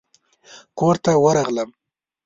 کورته ورغلم.